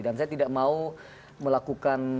dan saya tidak mau melakukan